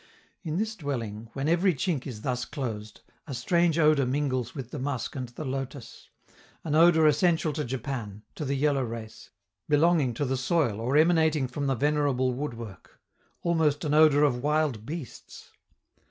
In this dwelling, when every chink is thus closed, a strange odor mingles with the musk and the lotus an odor essential to Japan, to the yellow race, belonging to the soil or emanating from the venerable woodwork; almost an odor of wild beasts.